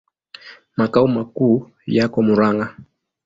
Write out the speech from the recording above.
Makao makuu yako Murang'a.